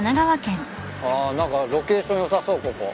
あっ何かロケーション良さそうここ。